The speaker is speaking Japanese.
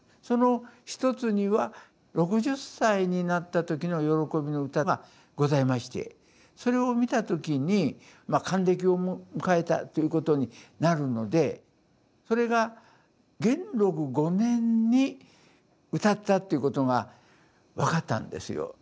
その一つには６０歳になった時の慶びの歌がございましてそれを見た時に還暦を迎えたということになるのでそれが元禄５年に詠ったっていうことが分かったんですよ。